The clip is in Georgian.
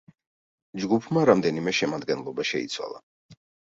ჯგუფმა რამდენიმე შემადგენლობა შეიცვალა.